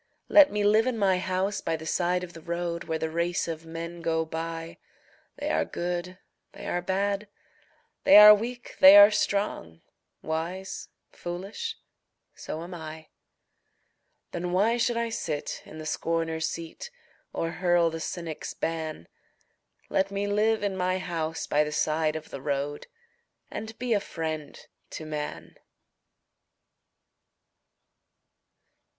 Let me live in my house by the side of the road, Where the race of men go by They are good, they are bad, they are weak, they are strong, Wise, foolish so am I. Then why should I sit in the scorner's seat, Or hurl the cynic's ban? Let me live in my house by the side of the road And be a friend to man.